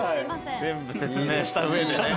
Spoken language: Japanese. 全部説明した上で。